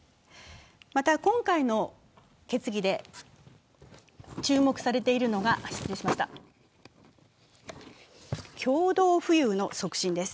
また今回の決議で注目されているのが共同富裕の促進です。